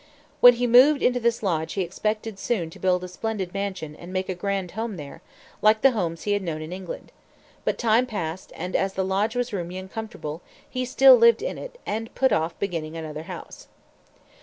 When he moved into this lodge he expected soon to build a splendid mansion and make a grand home there, like the homes he had known in England. But time passed, and as the lodge was roomy and comfortable, he still lived in it and put off beginning another house.